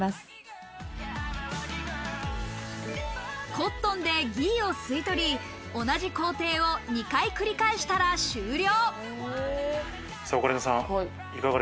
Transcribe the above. コットンでギーを吸い取り、同じ工程を２回、繰り返したら終了。